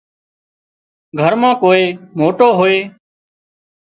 گھر مان ڪوئي موٽو هوئي